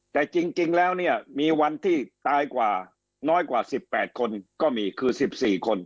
แต่จริงแล้วเนี่ยมีวันที่ตายกว่าน้อยกว่า๑๘คนก็มีคือ๑๔คน